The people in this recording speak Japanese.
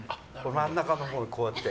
真ん中のほうこうやって。